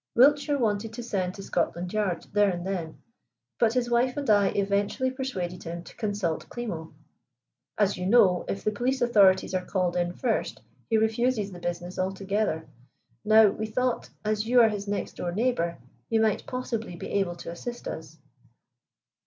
Wiltshire wanted to send to Scotland Yard there and then, but his wife and I eventually persuaded him to consult Klimo. As you know if the police authorities are called in first, he refuses the business altogether. Now, we thought, as you are his next door neighbor, you might possibly be able to assist us."